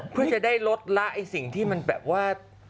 เพื่อจะได้ลดละสิ่งที่มันแบบว่า